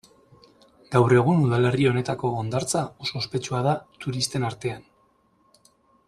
Gaur egun udalerri honetako hondartza oso ospetsua da turisten artean.